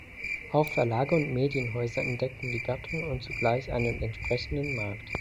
Auch Verlage und Medienhäuser entdeckten die Gattung und zugleich einen entsprechenden Markt.